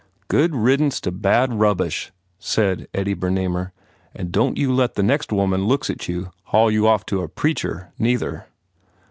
* "Good riddance to bad rubbish," said Eddie Bernamer, "and don t you let the next woman looks at you haul you off to a preacher, neither."